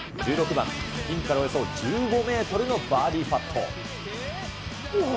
１６番、ピンからおよそ１５メートルのバーディーパット。